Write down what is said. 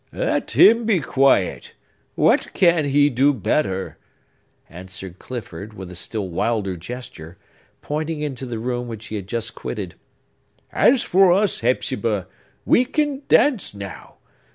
"Let him be quiet! What can he do better?" answered Clifford, with a still wilder gesture, pointing into the room which he had just quitted. "As for us, Hepzibah, we can dance now!